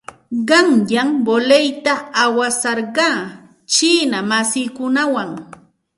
Qanyan voleyta awasarqaa chiina masiikunawan.